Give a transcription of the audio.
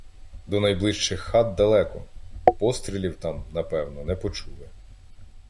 До найближчих хат далеко — пострілів там, напевно, не почули.